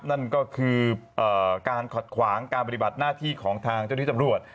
นั่นก็คือการขัดขวางการปฏิบัติหน้าที่ของทางเจ้าที่ตำรวจ